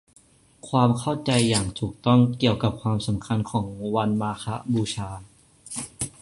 ความเข้าใจอย่างถูกต้องเกี่ยวกับความสำคัญของวันมาฆบูชา